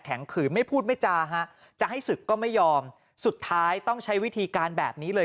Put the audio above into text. ขืนไม่พูดไม่จาฮะจะให้ศึกก็ไม่ยอมสุดท้ายต้องใช้วิธีการแบบนี้เลย